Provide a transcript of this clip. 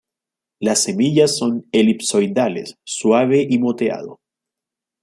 Las semillas son elipsoidales suave y moteado.